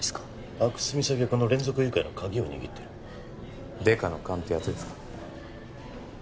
阿久津実咲はこの連続誘拐の鍵を握ってる・デカの勘ってやつですか？